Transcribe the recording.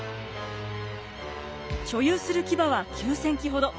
所有する騎馬は９，０００騎ほど。